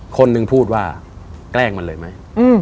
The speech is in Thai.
คนหนึ่งพูดว่าแกล้งมันเลยไหม